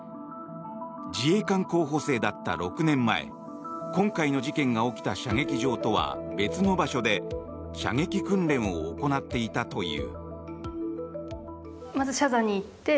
自衛官候補生だった６年前今回の事件が起きた射撃場とは別の場所で射撃訓練を行っていたという。